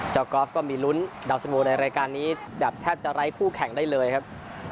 กอล์ฟก็มีลุ้นดาวสโมในรายการนี้แบบแทบจะไร้คู่แข่งได้เลยครับ